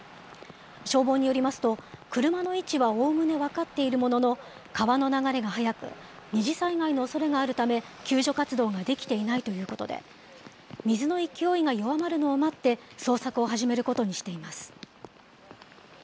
消防によりますと、車の位置はおおむね分かっているものの、川の流れが速く、二次災害のおそれがあるため、救助活動ができていないということで、水の勢いが弱まるのを待って捜索を始めることにしています。